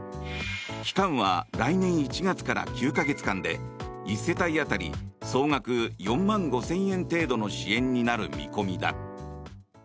期間は来年１月から９か月間で１世帯当たり総額４万５０００円程度の支援になる見込みだ。